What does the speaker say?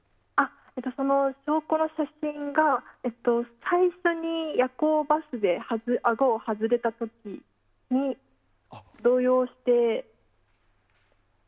証拠の写真が最初に夜行バスであごを外れた時に動揺して。